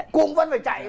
cũng vẫn chạy